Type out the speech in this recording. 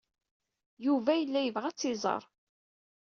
Yuba yella yebɣa ad tt-iẓer.